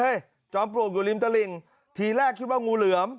เฮ้ยจอมปลวงอยู่ริมลาฬิงทีแรกคิดว่างูเหลือม